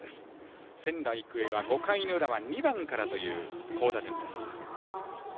仙台育英は５回の裏は２番からという好打順です。